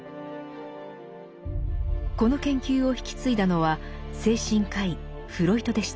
この研究を引き継いだのは精神科医フロイトでした。